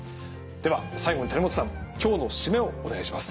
では最後に谷本さん今日の締めをお願いします。